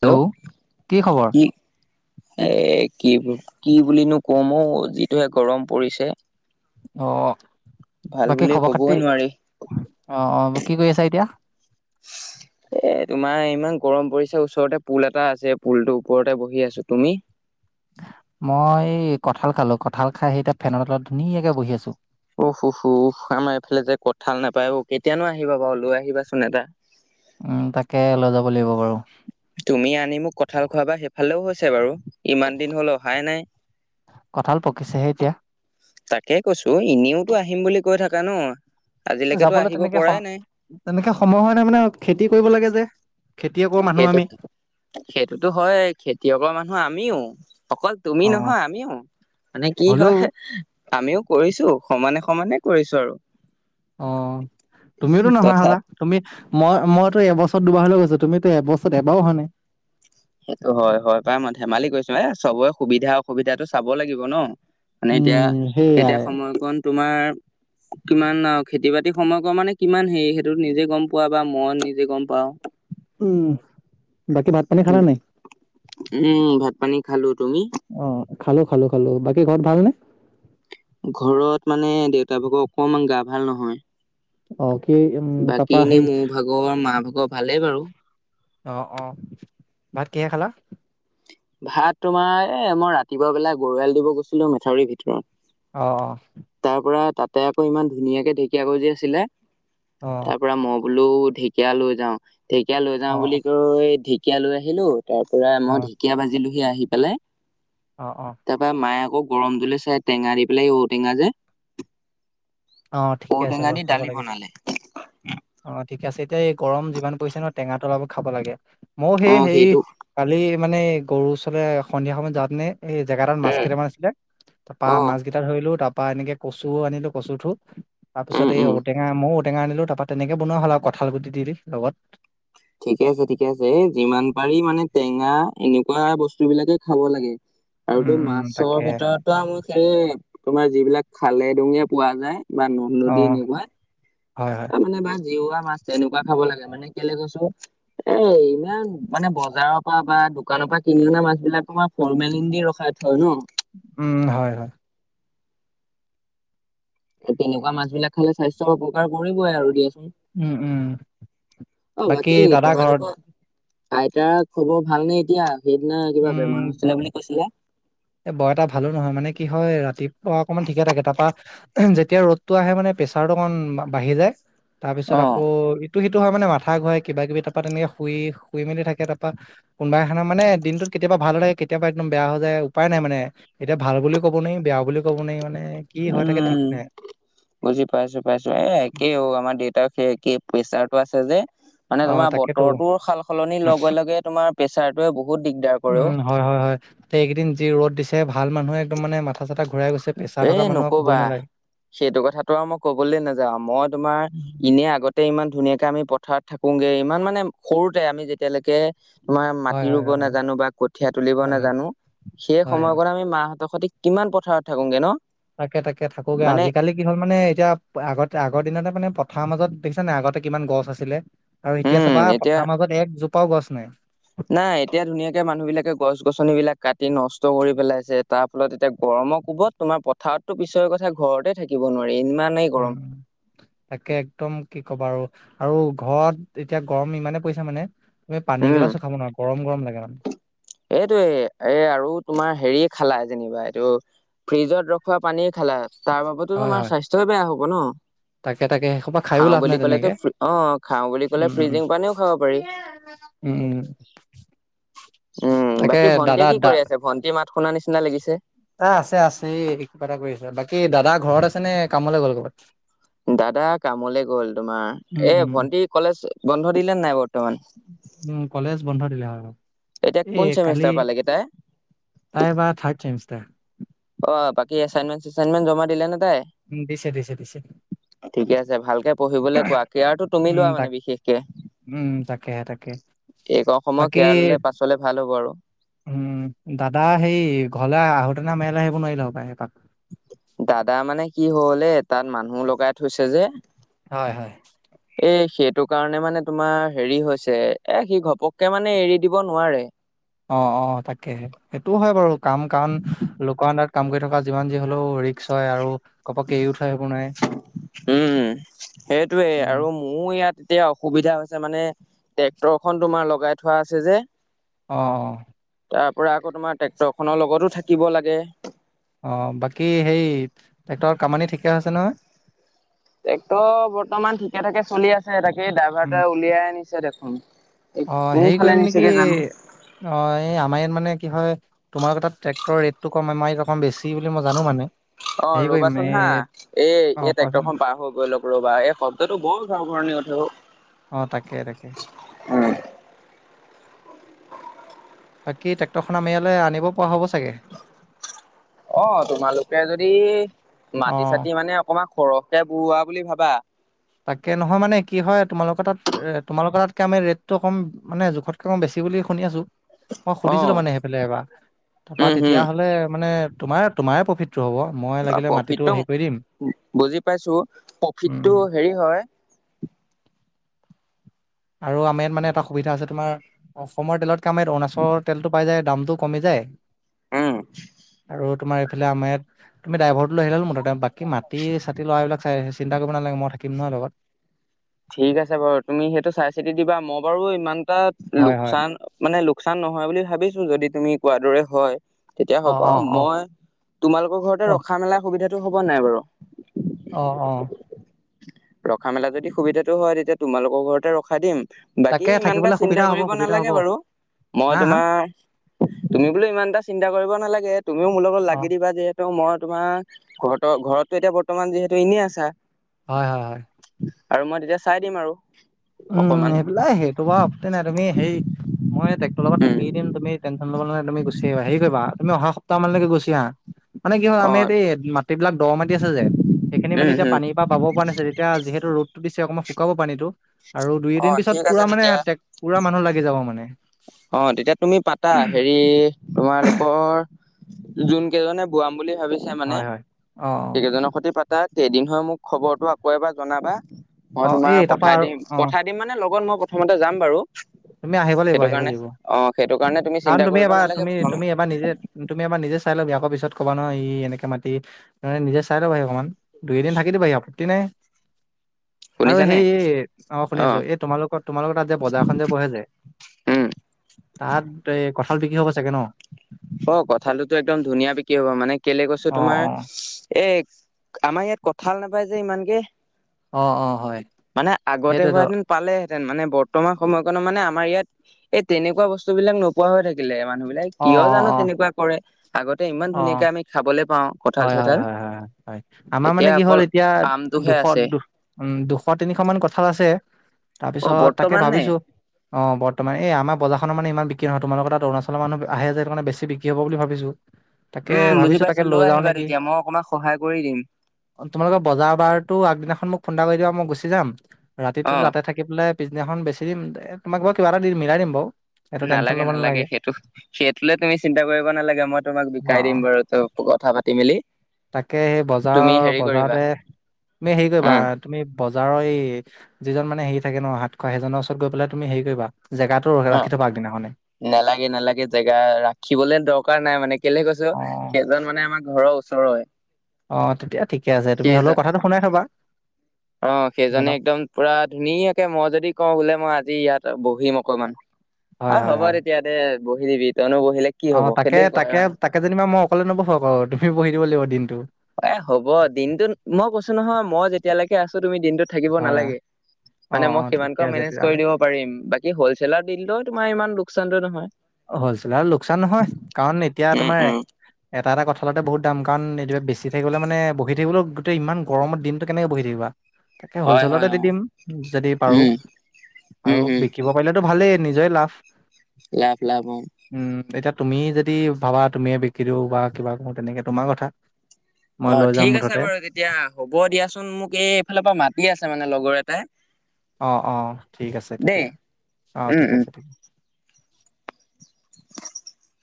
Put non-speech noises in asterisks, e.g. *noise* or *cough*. Hello কি খবৰ উম এ কি কি বুলিনো কম ঔ যিটোহে গৰম পৰিছে অহ ভাল বাকী বুলিয়ে খবৰ কবই খাতি নোৱাৰি অ কি কৰি আছা এতিয়া? *inaudible* এ তোমাৰ ইমান গৰম পৰিছে ওচৰতে পুল এটা আছে পুলটোৰ ওপৰতে বহি আছো। তুমি? মই কঁঠাল খালো কঁঠাল খাই সেই এতিয়া ফেনৰ তলত ধুনীয়াকে বহি আছো। অহু হু আমাৰ এইফালে যে কঁঠাল নাপায় অ কেতিয়ানো আহিবা বাৰু লৈ আহিবাচোন এটা উম তাকে লৈ যাব লাগিব বাৰু। তুমি আনি মোক কঁঠাল খোৱাবা সেইফালেও আছে বাৰু ইমান দিন হল অহাই নাই। কঁঠাল পকিছেহে এতিয়া। তাকে কৈছো এনেওতো আহিম বুলি কৈ থাকা ন আজিলৈকেতো যাবলৈ আহিব তেনেকে সম পৰাই নাই তেনেকে সময় হোৱা নাই মানে খেতি কৰিব লাগে যে। খেতিয়কৰ মানুহ সেইটো আমি সেইটোতো হয় খেতিয়কৰ মানুহ আমিও অকল তুমি অ নহয় আমিও মানে কি হ'লেও হয় আমিও কৰিছো সমানে সমানে কৰিছো আৰু অঁহ তুমিওতো নহা তথা হ'লা তুমি মই মইতো এবছৰত দুবাৰ হ'লেও গৈছো, তুমিতো এবছৰত এবাৰো অহা নাই। সেইটো হয় হয় পাই মই ধেমালি কৰিছো এ চবেৰে সুবিধা অসুবিধাটো চাব লাগিব ন মানে এতিয়া উম সেইয়াই এতিয়া সময়কণ তোমাৰ কিমান আৰু খেতি বাতি সময় কন মানে কিমান হেৰি সেইটো নিজে গম পোৱা বা মই নিজে গম পাও উম বাকী ভাত পানী খালা নে নাই? উম ভাত পানী খালো। তুমি? অ খালো খালো খালো। বাকী ঘৰত ভাল নে? ঘৰত মানে দেউতা ভাগৰ অকমান গা ভাল নহয় অ কি উম তাৰপৰা সেই গৰ মাৰ ভাগৰ ভালেই বাৰু। অহ অহ ভাত কিহে খালা? ভাত তোমাৰ এ মই ৰাতিপুৱা বেলাই গৰুহাল দিব গৈছিলো মেথাউৰিৰ ভিতৰত অহ অহ তাৰপৰা তাতে আকৌ ইমান ধুনীয়াকে ঢেকীয়া গজি আছিলে অহ তাৰ পৰা মই বোলো ঢেকীয়া লৈ যাও ঢেকীয়া লৈ অ অ যাও বুলি কৈ ঢেকিয়া লৈ আহিলো তাৰ পৰা অ মই ঢেকীয়া ভাজিলোহি আহি পেলাই। অঁহ অঁহ। তাৰপৰা মায়ে আকৌ গৰম জুলি চাই টেঙা দি পেলাই ঔটেঙা যে অ ঠিকে আছে ঔটেঙা বাৰু দি খাব দালি লাগে দে। বনালে। অ ঠিক আছে এতিয়া এই গৰম যিমান পৰিছে নহ টেঙাটো অপল খাব লাগে মই সেই অ হেৰি সেইটো কালি মানে গৰুৰ ওচৰলৈ সন্ধিয়া সময়ত যাওতে নে এই জেগা এটাত মাছ কেইটামান আছিলে তাৰ পৰা অ মাছ কেইটা ধৰিলো। তাৰ পৰা এনেকে কচুও আনিলো। কচুটো তাৰ পিছত উম এই উম ঔটৈ মও ঔটেঙা আনিলো। তাৰপা তেনেকে বোনোৱা হল আও কঁঠালগুটি দি লগত ঠিকে আছে। ঠিকে আছে। যিমান পাৰি মানে টেঙা এনেকুৱা বস্তু বিলাকে খাব লাগে। আৰু উম তো উম মাছৰ তাকে ভিতৰতো *unintelligible* সেই তোমাৰ যিবিলাক খালে দুুঙে পোৱা যায়। বা নদ অ নদী এনেকুৱা হয় হয় তাৰ মানে বা জিওৱৰা মাছ এনেকুৱা খাব লাগে মানে কেলে কৈছো। এ', ইমান মানে বজাৰৰ পৰা বা দোকানৰ পৰা কিনি অনা মাছ বিলাক তোমাৰ ফৰ্মেলিং দি ৰখাই থয় ন? উম', হয়। হয়। এ', তেনেকুৱা মাছ বিলাক খালে স্বাস্থ্যৰ অপকাৰ কৰিবই আৰু দিয়াচোন উম উম অ', বাকী দাদা ঘৰত তোমালোকৰ আইতাৰাৰ খবৰ ভালনে এতিয়া সেইদিনা কিবা উম, বেমাৰ হৈছিলে বুলি কৈছিলে। এ', বৰ এটা ভালো নহয় মানে কি হয়। ৰাতিপুৱা অকমান ঠিকে থাকে। তাৰপা যেতিয়া ৰ'দটো আহে মানে প্ৰেচাৰটো অকমান বাঢ়ি যায়। তাৰ কৈছিলে পিছত অ আকৌ তো সেইটো হয় মানে মাথা ঘূৰাই কিবা কিবি তাৰপা তেনেকে শুই শুই মেলি থাকে। তাৰপা কোনোবা এখনৰ মানে দিনটোত কেতিয়াবা ভাল হৈ থাকে। কেতিয়াবা একদম বেয়া হৈ যায়। উপাই নাই, মানে এতিয়া ভাল বুলিও ক'ব নোৱাৰি, বেয়া বুলি ক'ব নোৱাৰি, মানে কি হৈ থাকে ঠিক উম', নাই বুজি পাইছো। পাইছো। এ, একেই অ, আমাৰ দেউতাৰ সেই একেই প্ৰেচাৰটো আছে যে, মানে অ তোমাৰ তাকেতো বতৰটো সাল সলনিৰ লগে। লগে। তোমাৰ প্ৰেচাৰটোৱে বহুত দিগদাৰ কৰেও উম হয়। হয়। হয়। তে এইকেইদিন যি ৰ'দ দিছে। ভাল মানুহে একদম মানে মাথা মাথা চাথা ঘূৰাই গৈছে। প্ৰেচাৰ এ থকা মানুহ ক'বই নকবা নালাগে। সেইটো কথাটো আৰু মই কবলৈ নাযাওঁ। মই তোমাৰ এনে আগতে ইমান ধুনীয়াকে আমি পথাৰত থাকোগে ইমান মানে সৰুতে আমি যেতিয়ালৈকে তোমাৰ হয় মাটি হয় ৰুব হয় হয় নাজানো বা কঠীয়া তুলিব হয় হয় নাজানো। সেই হয় হয় সময়ৰ কণ আমি মাহঁতৰ সৈতে কিমান পথাৰত থাকোংগে ন তাকে তাকে থাকোগে মানে আজিকালি কি হল মানে এতিয়া আগত আগৰ দিনা তাৰ মানে পথাৰ মাজত দেখিছা নে নাই। আগতে কিমান গছ আছিলে। আৰু এতিয়া উম চাবা এতিয়া পথাৰৰ মাজত একজোপাও গছ নাই। নাই। এতিয়া ধুনীয়াকে মানুহ বিলাকে গছ গছনি বিলাক কাটি নষ্ট কৰি পেলাইছে। তাৰ ফলত এতিয়া গৰমৰ কোবত তোমাৰ পথাৰততো পিছৰে কথা ঘৰতে থাকিব নোৱাৰি। ইমান উম', উম, তাকে একদম কি ক'বা আৰু আৰু ঘৰত এতিয়া গৰম ইমানে পৰিছে মানে এই পানী উম গিলাছো খাব নোৱাৰা। গৰম গৰম লাগে মানে এইটোয়ে এ আৰু তোমাৰ হেৰিয়ে খালা যেনিবা এইটো ফ্ৰিজত ৰখোৱা পানী খালা তাৰ বাবে টো হয় তোমাৰ হয় স্বাস্থ্য বেয়া হ'ব ন? তাকে তাকে সেইসোপা খায়ো খাওঁ লাভ নাই বুলি তেনেকে ক'লেতো অ, খাওঁ বুলি উম ক'লে উম ফ্ৰিজিং পানীও খাব পাৰি। উম', উম, তাকে দাদা-দা ভণ্টিৰ মাত শুনাৰ নিচিনা লাগিছে। এ', আছে। আছে। এই কিবা এটা কৰি আছে। বাকী দাদা ঘৰত আছে নে? কামলৈ গ'ল কৰ'বাত দাদা কামলে গ'ল উম তোমাৰ এ উম ভন্টি কলেজ বন্ধ দিলে নাই। বৰ্তমান উম', কলেজ বন্ধ দিলে। উম, এতিয়া কোন চেমিষ্টাৰ পালেগে তাই? তাই এবা থাৰ্ড চেমিষ্টাৰ। অ', বাকী এচাইনমেণ্ট চেচাইনমেটণ্ট জমা দিলে নে তাই? উ', দিছে। দিছে। দিছে। ঠিকে আছে ভালকে পঢ়িবলে কোৱা, কেয়াৰটো তুমি উম, লোৱা মানে তাক বিশেষকে। উম, তাকেহে তাকে এই কন সময়ত বাকী কেয়াৰ ললে পাছলে ভাল হ'ব আৰু। উম' দাদা হেয়ি ঘলে আহোঁতেনা আম এয়ালে আহিব নোৱাৰিলে হপায় এপাক। দাদা মানে কি হ'ল- এ তাত মানুহ লগাই থৈছে যে- হয় হয়। এ সেইটো কাৰণে মানে তোমাৰ হেৰি হৈছে, এ সি ঘপককে মানে এৰি দিব নোৱাৰে। অঁ অঁ তাকেহে, সেইটোও হয় বাৰু কাম-কান লোকৰ আণ্ডাৰত কাম কৰি থকা যিমান যি হ'লেও ৰিক্স হয় আৰু ঘপককে এৰিও থই আহিব নোৱায়ে। উম সেইটোয়ে আৰু উম মোৰ ইয়াত এতিয়া অসুবিধা হৈছে মানে- ট্ৰেক্টৰ খন তোমাৰ লগাই থোৱা আছে যে অঁ অঁ। তাৰ পৰা আকৌ তোমাৰ ট্ৰেক্টৰ খনৰ লগতো থাকিব লাগে। অ, বাকী হেই ট্ৰেক্টৰৰ কামানি ঠিকে আছে নহয়? ট্ৰেক্টৰ বৰ্তমান ঠিকে-ঠাকে চলি আছে তাকেই উম, ড্ৰাইভাৰটোয়ে উলিয়াই আনিছে দেখোন। এই অ হেৰি কোনফালে কৰিম নেকি- নিছেগে জানো অ' এই আমাৰ ইয়াত মানে কি হয় তোমাৰ আকু তাত ট্ৰেক্টৰ ৰেটটো কম আমা অকণ বেছি বুলি মই জানো মানে। অ হেৰি কৰিম ৰ'বাচোন এই হা! এই, অ', এই কোৱাচোন ট্ৰেক্টৰখন পাৰ হৈ গৈ লগ। ৰবা, এই শব্দটো বৰ ঘৰ-ঘৰনী উঠে অ'। অ তাকে তাকে। *unintelligible* বাকি ট্ৰেক্টৰখন আম ইয়ালে আনিব পৰা হ'ব চাগে। অ' তোমালোকে যদি অ মাটি-চাতি মানে অকণমান খৰহ কে বুৰুৱা বুলি ভাবা তাকে, নহয় মানে কি হয় তোমালোকৰ তাত এ তোমালোকৰ তাতকে আম ৰেটটো অকণ মানে জোখতকে অকণ বেছি বুলি শুনি আছোঁ। মই অ সুধিছিলোঁ মানে সেইফালে এবাৰ, তাপা উম হম তেতিয়া হলে মানে তোমাৰ তোমাৰে প্ৰফিট- টো হ'ব, মই লাগিলে মাটিটো প্ৰফিটটো হেয়ি কৰি দিম। বুজি পাইছো প্ৰফিটটো উম। হেৰি হয় আৰু আমাৰ ইয়াত মানে এটা সুবিধা আছে তোমাৰ- অসমৰ তেলতকে আম য়াত অৰুণাচলৰ তেলটো পাই যায় দামটো কমি যায়। উম আৰু তোমাৰ এইফালে আমাৰ ইয়াত তুমি ড্ৰাইভৰটো লৈ আহিলে বাকী মাটি-চাতি লোৱা এইবিলাক চাই চিন্তা কৰিব নালাগে মই থাকিম নহয় লগত। ঠিক আছে বাৰু, তুমি সেইটো চাই-চিতি দিবা মই বাৰু ইমান টা হয় হয় লোকচান মানে লোকচান নহয় বুলি ভাবিছোঁ যদি তুমি কোৱাৰ দৰে হয়। তেতিয়া অ অ হ'ব- অ মই, তোমালোকৰ ঘৰতে অ ৰখা-মেলা সুবিধাটো হ'ব নাই বাৰু? অ অঁ। ৰখা-মেলা যদি সুবিধাটো হয় তেতিয়া তোমালোকৰ ঘৰতে ৰখাই দিম। বাকী তাকে ইমান এটা থাকিবলৈ চিন্তা সুবিধা হ'ব কৰিব সুবিধা হ'ব নালাগে বাৰু, হা মই হা তোমাৰ তুমি বোলে ইমানটা চিন্তা কৰিব নালাগে তুমিওঁ মোৰ লগত অ লাগি দিবা যে মই তোমাৰ ঘৰতে, ঘৰতটো এতিয়া বৰ্তমান যিহেতু এনেই আছা হয় হয় হয়। আৰু মই তেতিয়া চাই দিম আৰু। উম' অকমান সেইবিলা সেইটো বাৰু আপত্তি নাই তুমি সেই, মই ট্ৰেক্টৰ লগত উম থাকিয়ে দিম তুমি টেন- চন ললে নাই তুমি গুচি আহিবা হেৰি কৰিবা- তুমি অহা সপ্তাহ মানলৈকে গুচি আহা। মানে কি হল অ আম ইয়াত এই মাটি বিলাক দ' মাটি আছে যে, সেইখিনি মানে উম এতিয়া হম পানী বা বা'ব পৰা নাছিলো এতিয়া যিহেতু ৰ'দতো দিছে অকমান শুকাব পানীটো, আৰু অ দুই-এদিন পিছত ঠিক আছে পুৰা মানে তেতিয়া পুৰা মানুহ লাগি যাব মানে অ তেতিয়া তুমি পাতা হেৰি তোমালোকৰ যোন কেইজনে বোৱাম বুলি ভাবিছ মানে হয় হয় অ সেইকেইজনৰ সৈতে পাতা কেইদিন হৈ মোক খবৰটো আকৌ এবাৰ জনাবা মই অ অ তোমাৰ এই তাৰপা পঠাই আৰু দিম অ পঠাই দিম মানে লগত মই প্ৰথমতে যাম বাৰু তুমি আহিব লাগিব সেইটো আহিব কাৰণে লাগিব অ সেইটো কাৰণে কাৰণ চিন্তা তুমি কৰিব এবাৰ নালাগে তুমি প্ৰথমে তুমি এবাৰ নিজে তুমি এবাৰ নিজে চাই লবি আকৌ পিছত ক'বা নহয় ই এনেকে মাতি মানে নিজে চাই ল'বাহি অকণমান দুই দিন থাকি দিবাহি আপত্তি নাই আৰু শুনিছানে সেই অ শুনি আছোঁ এই তোমালোকৰ তোমালোকৰ তাত যে বজাৰ বহে যে উম তাত এই কঠাল বিক্ৰী হ'ব চাগে ন অ কঠালতো একদম ধুনীয়া বিক্ৰী হব মানে কেলে কৈছোঁ অ তোমাৰ অ এ আমাৰ ইয়াত কঁঠাল নাপায় যে ইমানকে অ অ হয় মানে আগতে সেইটোতো হোৱা হেতিন পালেহেতেন মানে বৰ্তমান সময়কণত মানে আমাৰ ইয়াত এই তেনেকুৱা বস্তু বিলাক নোপ নোপোৱা হৈ থাকিলে মানুহ বিলাক অ অ কিয় জানোঁ তেনেকুৱা কৰে আগতে ইমান অ অ ধুনীয়াকে আমি খাবলৈ পাওঁ কঁঠাল হয় হয় চঠাল হয় হয় হয় হয় আমাৰ মানে এতিয়া কি হ'ল অকল এতিয়া আমটোহে দুশ আছে দু উম দুশ তিনিশ মান কঁঠাল আছে তাৰ অ পিছত তাকে বৰ্তমান নে ভাবিছোঁ অ বৰ্তমান এই আমাৰ বজাৰৰ মান ইমান বিক্ৰী নহয় তোমালোকৰ তাত অৰুণাচৰ মানুহ আহে যে সেই কাৰণে বেছি বিক্ৰী হব বুলি ভাবিছোঁ তাকে ভাবিছোঁ তাকে লৈ যাওঁ নেক দিয়া মই অকমান সহায় কৰি দিম অ তোমালোকৰ বজাৰ বাৰতো আগদিনাখন মোক ফোন এটা কৰি দিবা মই গুচি যাম অ ৰাতিটোতো তাতে থাকি থাকি পেলাই পিছদিনাখন বেছি দিম তোমাক বাৰ কিবাটা দি মিলাই দিম বাও নালাগে নালাগে সেইটো সেইটোলে তুমি চিন্তা কৰিব নালাগে মই তোমাক অ বিকাই অ দিম বাৰুতো কথা পাতি মেলি তাকে সেই তুমি বজাৰৰ হেৰি কৰিবা বজাৰতে তুমি হেৰি কৰিবা উম তুমি বজাৰৰ এই যিজন মানে হেৰি থাকে ন হাত খোৰাহি সেইজনৰ ওচৰত গৈ পেলাই তুমি হেৰি কৰিবা জেগা টোৰ ৰাখি থবা আগদিনাখনে নেলাগে নেলাগে জেগা ৰাখিবলে দৰকাৰ নাই মানে কেলে কৈছোঁ অ সেইজন মানে আমাৰ ঘৰৰ ওচৰই অ তেতিয়া ঠিকে আছে তুমি হ'লেও কথাটো শুনাই থবা অ সেইজনে সেইজনক। একদম পুৰা ধুনীয়াকে মই যদি কওঁ বোলে মই আজি ইয়াত বহিম অকণমান অ হয়, হয়, হ'ব হয়। তেতিয়া বহি দিবি তইনো বহিলে কি অ হব তাকে সেইটোৱে কয় তাকে মানে তাকে যেনিবা মই অকলে নবহো আক তুমি বহি দিব লাগিব দিনটো এ হ'ব দিনটোত মই কৈছোঁ নহয় মই যেতিয়ালৈকে আছোঁ তুমি দিনটোত থাকিব হয়, নালাগে অ', মানে মই অ', ঠিকে সিমানকৈ আছে মেনেজ কৰি তেতিয়াহ'লে। দিব পাৰিম বাকী হলচেলাৰ দি দিলোঁ তোমাৰ ইমান লোকচানটো নহয় হলচেলাৰ লোকচান নহয় কাৰণ এতিয়া উম তোমাৰ উম এটা এটা কঁঠালতে বহুত দাম কাৰণ এতিয়া বেছি থাকিবলৈ মানে বহি থাকিবলৈও গোটেই ইমান গৰমৰ দিনটো কেনেকৈ বহি থাকিবা তাকে হয় হয় হলচেলতে দি অ দিম যদি পাৰো উম উম আৰু হম বিকি দিব পাৰিলেতো ভালেই নিজৰেই লাভ লাভ লাভ অহ উম এতিয়া তুমি যদি ভাবা তুমিয়ে বিক্ৰী দিব বা কিবা আকৌ তেনেকে তোমাৰ কথা মই অ লৈ যাম ঠিক আছে মুঠতে, বাৰু তেতিয়া হ'ব দিয়াচোন মোক এই এইফালৰ পৰা মাতি আছে মানে লগৰ এটাই অ অ ঠিক আছে দেই তেতিয়া অ উম ঠিক উম আছে *inaudible*